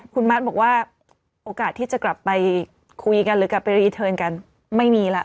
คุณมัดบอกว่าโอกาสที่จะกลับไปคุยกันหรือกลับไปรีเทิร์นกันไม่มีแล้ว